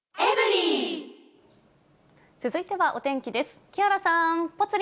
続いてはお天気です。